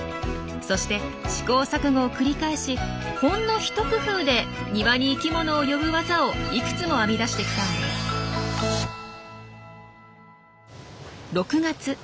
そして試行錯誤を繰り返しほんの一工夫で庭に生きものを呼ぶワザをいくつも編み出してきたんです。